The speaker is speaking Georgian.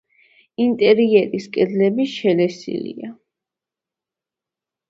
ინტერიერის კედლები შელესილია.